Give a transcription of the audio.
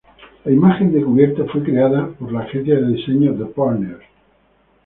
La imagen de cubierta fue creada por la agencia de diseño The Partners.